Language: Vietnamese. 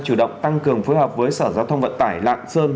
chủ động tăng cường phối hợp với sở giao thông vận tải lạng sơn